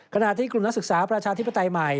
ขณะที่กลุ่มนักศึกษาประชาธิปไตยใหม่